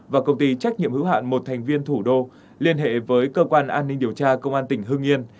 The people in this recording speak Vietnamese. và công ty trách nhiệm hữu hạn một thành viên thủ đô liên hệ với cơ quan an ninh điều tra công an tỉnh hưng yên